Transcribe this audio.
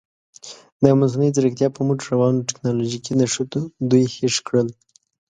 د مصنوعي زیرکتیا په مټ روانو تکنالوژیکي نښتو دوی هېښ کړل.